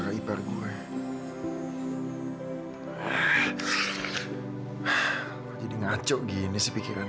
hilang lupa dewa hai teman